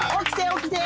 起きて！